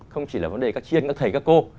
không chỉ là vấn đề các chiên các thầy các cô